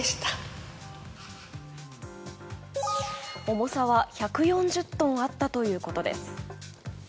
重さは、１４０トンあったということです。